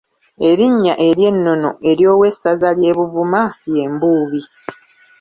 Erinnya ery’ennono ery’owessaza ly’e Buvuma ye Mbuubi.